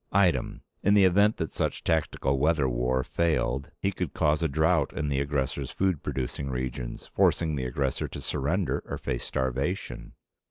Item. In the event that such tactical weather war failed, he could cause a drought in the aggressor's food producing regions, forcing the aggressor to surrender or face starvation.